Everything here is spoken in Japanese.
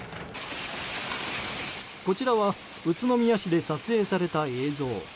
こちらは宇都宮市で撮影された映像。